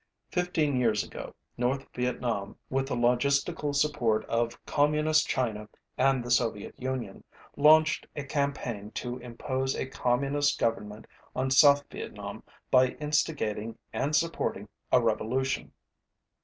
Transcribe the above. Fifteen years ago North Vietnam, with the logistical support of Communist China and the Soviet Union, launched a campaign to impose a Communist government on South Vietnam by instigating and supporting a revolution.